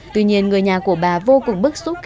tuy nhiên người nhà của bà vô cùng bức xúc